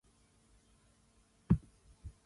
華航